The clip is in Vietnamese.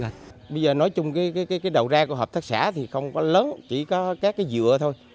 bây giờ nói chung cái đầu ra của hợp tác xã thì không có lớn chỉ có các cái dựa thôi